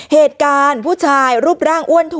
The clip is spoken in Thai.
เหตุการณ์ผู้ชายรูปร่างอ้วนถว